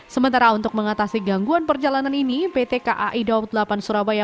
sementara untuk mengatasi gangguan perjalanan ini pt kai daob delapan surabaya